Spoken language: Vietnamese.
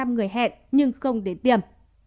ba mươi người hẹn nhưng không đến tiệm